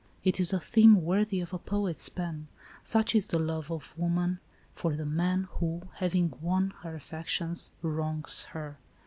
It is a theme worthy of a poet's pen. Such is the love of wo man for the man, who, having won her affections, wrongs her.